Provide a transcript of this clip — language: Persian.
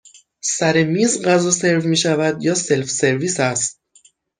سر میز غذا سرو می شود یا سلف سرویس هست؟